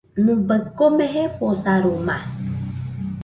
Nɨbai kome jefosaroma.